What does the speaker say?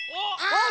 あっ！